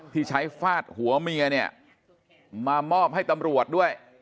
ที่ใช้ฟาดหัวเมียเนี่ยมามอบให้ตำรวจด้วย